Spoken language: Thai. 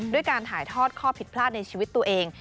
ด้วยการถ่ายทอดข้อผิดพลาดในชีวิตตัวเอง